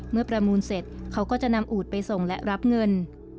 ประมูลเสร็จเขาก็จะนำอูดไปส่งและรับเงิน